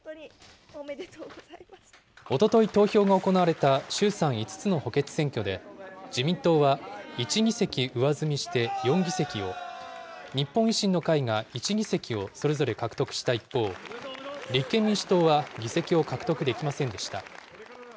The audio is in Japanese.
おととい投票が行われた衆参５つの補欠選挙で、自民党は１議席上積みして４議席を、日本維新の会が１議席をそれぞれ獲得した一方、立憲民主党は議席を獲得できませんでした。